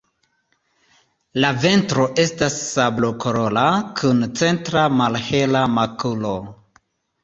La ventro estas sablokolora kun centra malhela makulo.